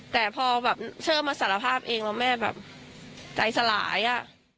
แต่พอแบบเชอร์มาสารภาพเองว่าแม่แบบใจสลายอ่ะ